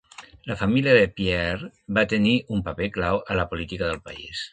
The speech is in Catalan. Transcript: La família de Pierre va tenir un paper clau a la política del país.